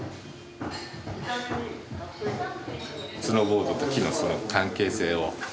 スノーボードと木のその関係性を。